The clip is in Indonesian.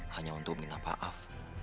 hanya untuk minta maaf